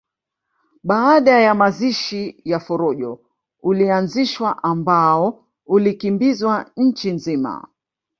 Baada ya mazishi ya Forojo ulianzishwa ambao ulikimbizwa nchi nzima